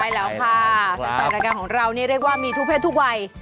ใช่แล้วค่ะแฟนรายการของเรานี่เรียกว่ามีทุกเพศทุกวัย